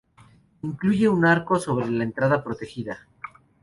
Incluye un arco sobre la entrada protegida.